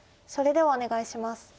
それではお願いします。